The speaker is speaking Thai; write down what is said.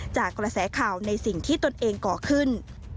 จากกระแสข่าวในสิ่งที่ตนเองก่อขึ้น